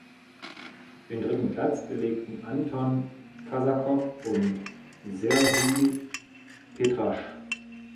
Den dritten Platz belegten Anton Kasakow und Serhij Petrasch.